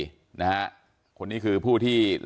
อันนี้มันต้องมีเครื่องชีพในกรณีที่มันเกิดเหตุวิกฤตจริงเนี่ย